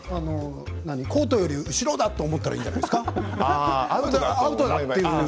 コートより後ろだと思ったらいいんじゃないですか。